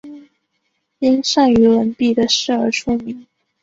因善于文笔的事而出名。